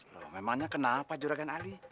loh memangnya kenapa juragan ali